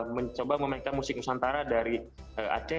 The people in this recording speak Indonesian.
mencoba memainkan musik nusantara dari aceh